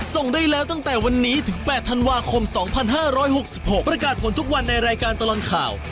ส่งได้แล้วตั้งแต่วันนี้ถึงแปดธันวาคมสองพันห้าร้อยหกสิบหกประกาศผลทุกวันในรายการตลอดข่าว